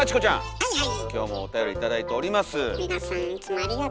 はいはい。